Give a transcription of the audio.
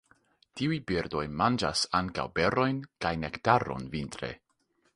Tiuj birdoj manĝas ankaŭ berojn kaj nektaron vintre.